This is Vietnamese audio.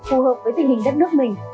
phù hợp với tình hình đất nước mình